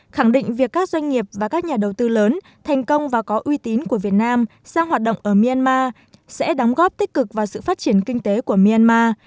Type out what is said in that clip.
khẳng định việc các doanh nghiệp và các nhà đầu tư lớn thành công và có uy tín của việt nam sang hoạt động ở myanmar sẽ đóng góp tích cực vào sự phát triển kinh tế của myanmar